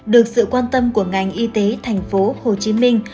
được sự quan tâm của ngành y tế thành phố hồ chí minh